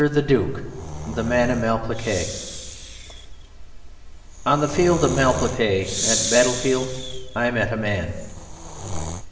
The Duke: The Man of Malplaquet On the field of Malplaquet, that battlefield, I met a man.